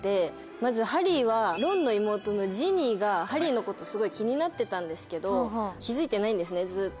まずハリーはロンの妹のジニーがハリーのことすごい気になってたんですけど気付いてないんですねずっと。